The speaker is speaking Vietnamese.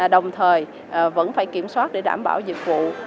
đồng thời vẫn phải kiểm soát để đảm bảo dịch vụ